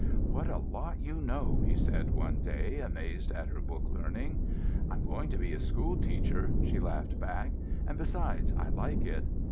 "What a lot you know!" he said one day, amazed at her book learning. "I'm going to be a school teacher," she laughed back, "and besides, I like it.